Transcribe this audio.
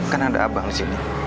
kan ada abang di sini